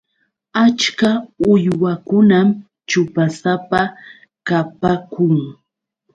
Achka uywakunam ćhupasapa kapaakun.